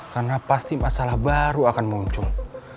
karena pasti masalah baru akan muncul